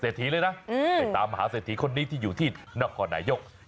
เศรษฐีเลยนะเดี๋ยวไปตามมาหาเศรษฐีคนนี้ที่อยู่ที่นครุณายุทธ์